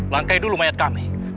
langkai dulu mayat kami